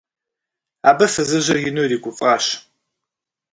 Абы фызыжьыр ину иригуфӀащ.